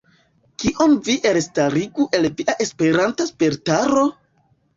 Kion vi elstarigus el via Esperanta spertaro?